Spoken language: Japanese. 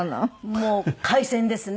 もう海鮮ですね。